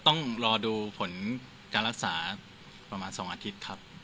ต้องรอดูผลการรักษาประมาณ๒อาทิตย์ครับ